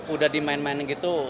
udah dimainkan gitu